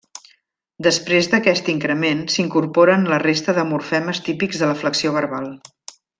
Després d'aquest increment, s'incorporen la resta de morfemes típics de la flexió verbal.